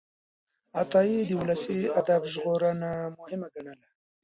عطایي د ولسي ادب ژغورنه مهمه ګڼله.